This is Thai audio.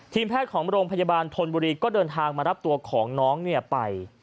แพทย์ของโรงพยาบาลธนบุรีก็เดินทางมารับตัวของน้องไป